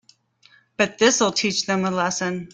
But this'll teach them a lesson.